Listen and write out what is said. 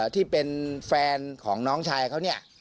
ที่เป็นแฟนของน้องชายเขาเนี่ย